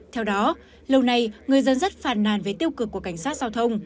theo đó lâu nay người dân rất phàn nàn về tiêu cực của cảnh sát giao thông